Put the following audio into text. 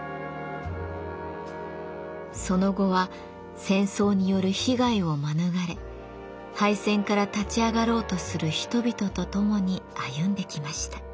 その後は戦争による被害を免れ敗戦から立ち上がろうとする人々とともに歩んできました。